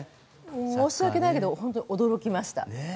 申し訳ないけど本当に驚きました。